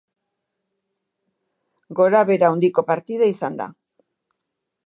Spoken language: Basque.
Gora-behera handiko partida izan da.